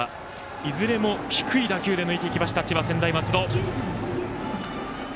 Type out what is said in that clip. いずれも低い打球で抜いていきました千葉・専大松戸。